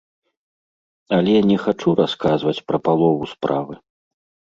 Але не хачу расказваць пра палову справы.